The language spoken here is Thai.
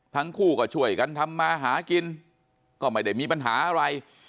ทั้งคู่ก็ช่วยกันทำมาหากินก็ไม่ได้มีปัญหาอะไร